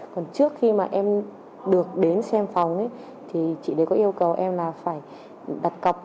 còn trước khi mà em được đến xem phòng thì chị đấy có yêu cầu em là phải đặt cọc